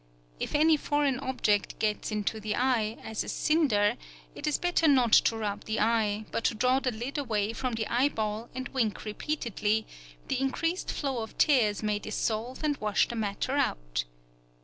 If any foreign object gets into the eye, as a cinder, it is better not to rub the eye, but to draw the lid away from the eyeball and wink repeatedly; the increased flow of tears may dissolve and wash the matter out.